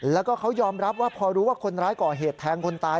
แล้วก็เขายอมรับว่าพอรู้ว่าคนร้ายก่อเหตุแทงคนตาย